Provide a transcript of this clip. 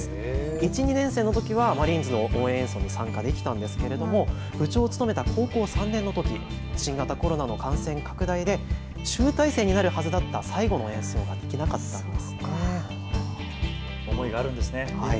１、２年生のときはマリーンズの応援演奏に参加できたんですけども部長を務めた高校３年のとき新型コロナの感染拡大で集大成になるはずだった最後の演奏ができなかったんです。